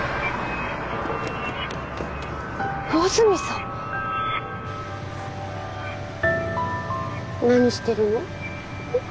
魚住さん何してるの？